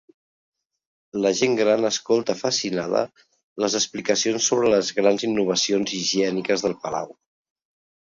La gent gran escolta fascinada les explicacions sobre les grans innovacions higièniques del palau.